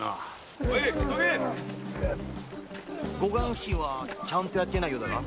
護岸普請はちゃんとやってないようだが？